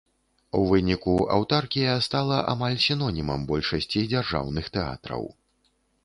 У выніку аўтаркія стала амаль сінонімам большасці дзяржаўных тэатраў.